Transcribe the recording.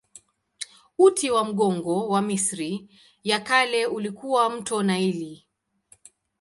Uti wa mgongo wa Misri ya Kale ulikuwa mto Naili.